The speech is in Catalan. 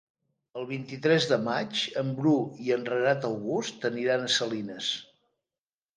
El vint-i-tres de maig en Bru i en Renat August aniran a Salines.